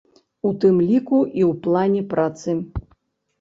У тым ліку і ў плане працы.